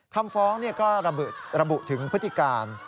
คำฟ้องก็ระบุถึงพฤติการ